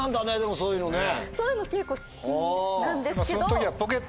そういうの結構好きなんですけど。